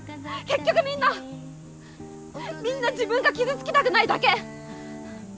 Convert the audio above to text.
結局みんなみんな自分が傷つきたくないだけ。